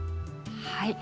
はい。